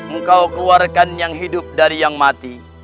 engkau keluarkan yang hidup dari yang mati